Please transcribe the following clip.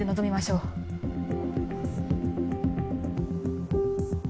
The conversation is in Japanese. うん。